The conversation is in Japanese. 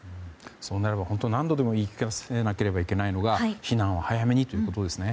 そうなれば何度でも言い聞かせないといけないのは避難を早めにということですね。